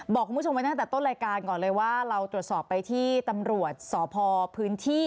บอกคุณผู้ชมไว้ตั้งแต่ต้นรายการก่อนเลยว่าเราตรวจสอบไปที่ตำรวจสพพื้นที่